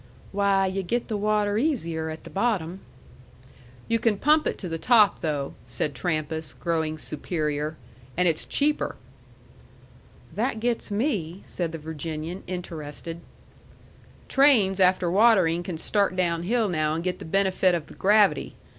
"Why, yu' get the water easier at the bottom." "You can pump it to the top, though," said Trampas, growing superior. "And it's cheaper." "That gets me," said the Virginian, interested. "Trains after watering can start down hill now and get the benefit of the gravity.